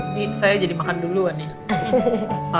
ini saya jadi makan duluan ya